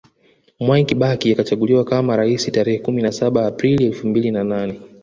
Mwai Kibaki akachaguliwa kama rais Tarehe kumi na saba Aprili elfu mbili na nane